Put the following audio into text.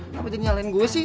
kenapa jenyalin gue sih